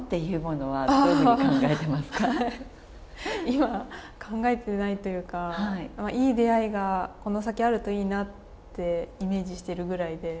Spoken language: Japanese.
今、考えてないというか、いい出会いがこの先あるといいなってイメージしてるぐらいで。